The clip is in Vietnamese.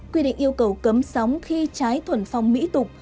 quy định yêu cầu cấm sóng khi trái thuần phong mỹ tục